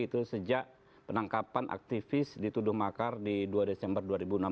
itu sejak penangkapan aktivis dituduh makar di dua desember dua ribu enam belas